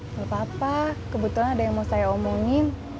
nggak apa apa kebetulan ada yang mau saya omongin